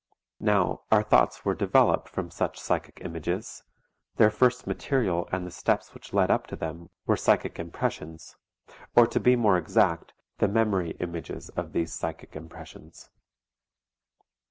Now our thoughts were developed from such psychic images; their first material and the steps which led up to them were psychic impressions, or to be more exact, the memory images of these psychic impressions.